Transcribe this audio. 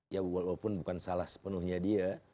ya walaupun bukan salah sepenuhnya dia